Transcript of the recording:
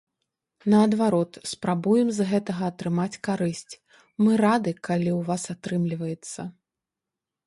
Наадварот, спрабуем з гэтага атрымаць карысць, мы рады, калі ў вас атрымліваецца.